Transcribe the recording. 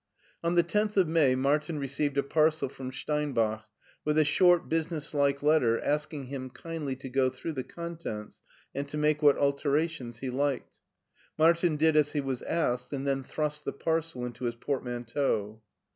On the tenth of May Martin received a parcel from Steinbach with a short, business like letter asking him kindly to go through the contents and to make what alterations he liked. Martin did as he was asked and then thrust the parcel into his portmanteau.